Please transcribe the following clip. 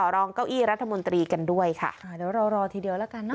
รองเก้าอี้รัฐมนตรีกันด้วยค่ะอ่าเดี๋ยวรอทีเดียวแล้วกันเน